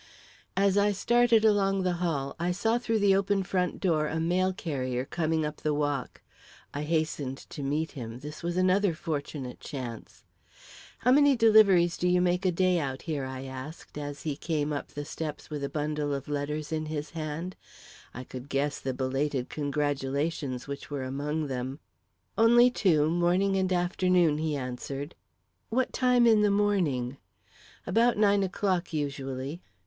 As I started along the hall, I saw through the open front door a mail carrier coming up the walk. I hastened to meet him this was another fortunate chance. "How many deliveries do you make a day out here?" I asked, as he came up the steps with a bundle of letters in his hand I could guess the belated congratulations which were among them! "Only two morning and afternoon," he answered. "What time in the morning?" "About nine o'clock, usually."